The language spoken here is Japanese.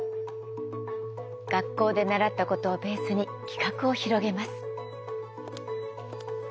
学校で習ったことをベースに企画を広げます。